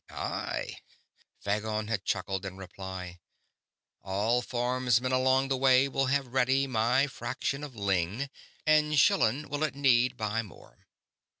"Aye," Phagon had chuckled in reply. "All farmsmen along the way will have ready my fraction of ling, and Schillan will at need buy more.